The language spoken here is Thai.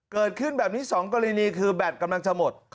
เกิดขึ้นแบบนี้๒กรณีคือแบตกำลังจะหมด